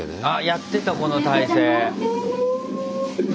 やってたこの体勢。